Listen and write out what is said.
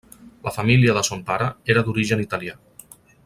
La família de son pare era d'origen italià.